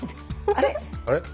あれ？